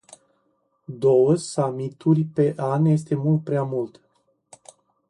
Două summituri pe an este mult prea mult.